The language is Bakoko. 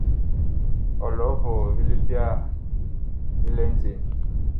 Ɔlɔ vɔɔ vi libyaa vi lɛ njen ?